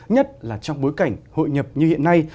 nhất là trong bối cảnh hội nhập như hiện nay